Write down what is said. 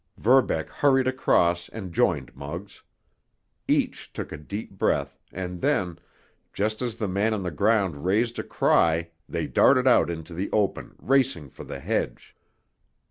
Verbeck hurried across and joined Muggs; each took a deep breath, and then, just as the man on the ground raised a cry they darted out into the open, racing for the hedge.